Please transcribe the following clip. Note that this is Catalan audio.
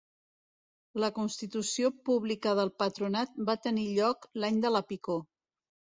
La constitució pública del patronat va tenir lloc l'any de la picor.